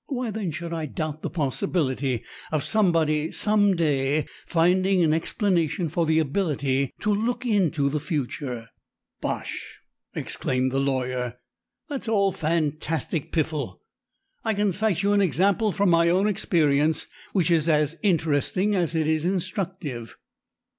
Why then should I doubt the possibility of somebody some day finding an explanation for the ability to 'look into the future'?" "Bosh!" exclaimed the lawyer. "That's all fantastic piffle! I can cite you an example from my own experience which is as interesting as it is instructive.